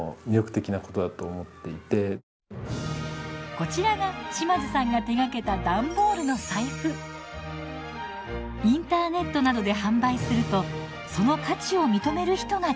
こちらが島津さんが手がけたインターネットなどで販売するとその価値を認める人が出てきました。